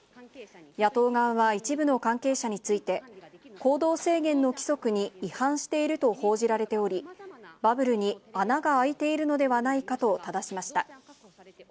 野党側は、一部の関係者について、行動制限の規則に違反していると報じられており、バブルに穴が開いているのではないかとただしました。